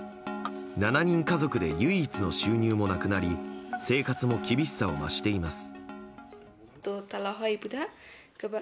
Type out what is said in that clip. ７人家族で唯一の収入もなくなり生活も厳しさを増しています。